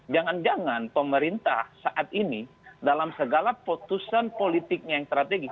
jangan jangan pemerintah saat ini dalam segala putusan politiknya yang strategis